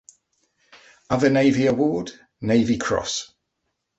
Other Navy award: Navy Cross.